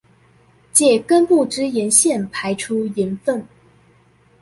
藉根部之鹽腺排出鹽分